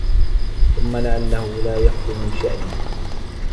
ثُمَّ لَعَلَّهُ لَا يَفْطِنُ لِشَأْنِهِ